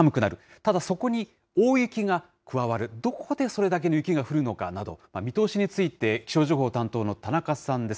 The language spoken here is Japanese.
ただそこに、大雪が加わる、どこでそれだけの雪が降るのかなど、見通しについて、気象情報担当の田中さんです。